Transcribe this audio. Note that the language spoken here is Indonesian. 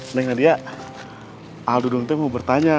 neng nadia aldo dong mau bertanya